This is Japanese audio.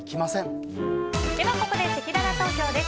ここでせきらら投票です。